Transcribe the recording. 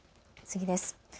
次です。